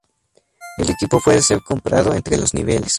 El equipo puede ser comprado entre los niveles.